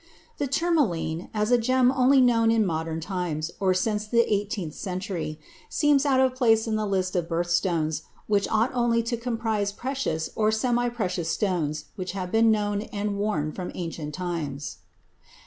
The tourmaline, as a gem only known in modern times or since the eighteenth century, seems out of place in the list of birth stones, which ought only to comprise precious or semi precious stones which have been known and worn from ancient times.